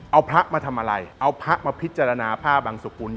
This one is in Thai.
เอาพระมาทำอะไรเอาพระมาพิจารณาผ้าบังสุกุล